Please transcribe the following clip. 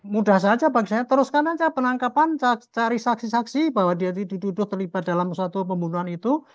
mudah saja bagi saya teruskan aja penangkapan cari saksi saksi bahwa dia dituduh terlibat dalam suatu pembunuhan itu